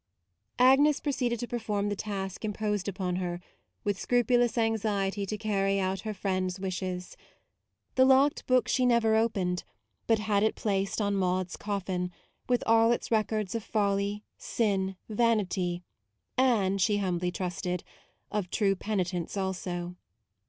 Agnes proceeded to perform the task imposed upon her, with scrupu lous anxiety to carry out her friend's n6 MAUDE wishes. The locked book she never opened, but had it placed on Maude's coffin, with all its records of folly, sin, vanity, and, she humbly trusted, of true penitence also.